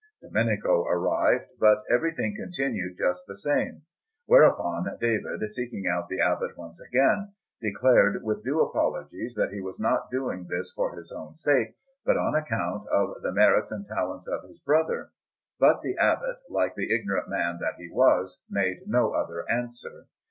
Domenico arrived, but everything continued just the same; whereupon David, seeking out the Abbot once again, declared with due apologies that he was not doing this for his own sake but on account of the merits and talents of his brother. But the Abbot, like the ignorant man that he was, made no other answer.